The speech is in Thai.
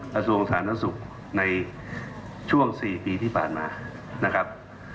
กระทรวงศาลนักศึกษ์ในช่วง๔ปีที่ผ่านมานะครับ